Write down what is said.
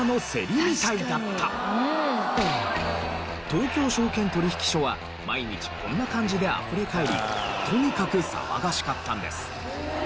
東京証券取引所は毎日こんな感じであふれ返りとにかく騒がしかったんです。